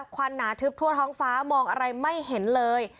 วันหนาทึบทั่วท้องฟ้ามองอะไรไม่เห็นเลย